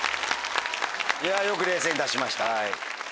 よく冷静に出しました。